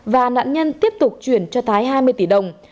và nạn nhân tiếp tục chuyển cho thái hai mươi tỷ đồng